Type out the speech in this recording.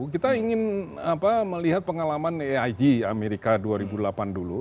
kita ingin melihat pengalaman aig amerika dua ribu delapan dulu